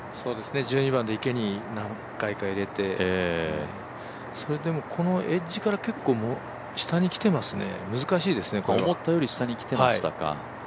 １２番で池に何回か入れて、それでもこのエッジから結構下に来てますね、難しいですね、これは。思ったより下に来てましたか。